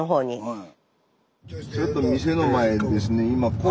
はい。